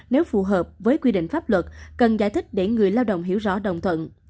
nếu phù hợp với quy định pháp luật cần giải thích để người lao động hiểu rõ đồng thuận